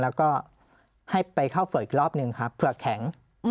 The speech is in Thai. แล้วก็ให้ไปเข้าเฝือกอีกรอบหนึ่งครับเฝือกแข็ง